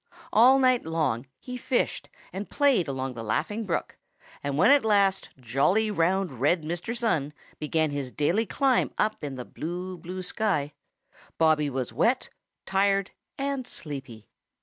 All night long he fished and played along the Laughing Brook, and when at last jolly, round, red Mr. Sun began his daily climb up in the blue, blue sky, Bobby was wet, tired, and sleepy.